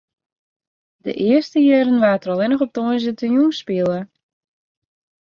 De earste jierren waard der allinne op tongersdeitejûn spile.